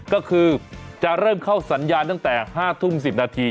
ก็คือจะเริ่มเข้าสัญญาณตั้งแต่๕ทุ่ม๑๐นาที